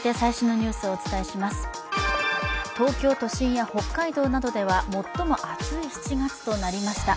東京都心や北海道などでは最も暑い７月となりました。